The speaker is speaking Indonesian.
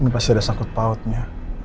ini pasti ada sangkut pautnya